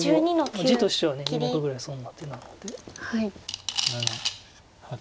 地としては２目ぐらい損な手なので。